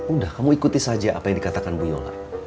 udah kamu ikuti saja apa yang dikatakan bu yola